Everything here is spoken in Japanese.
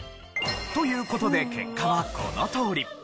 という事で結果はこのとおり。